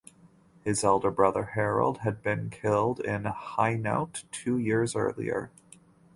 His elder brother Harold had been killed in Hainaut two years earlier.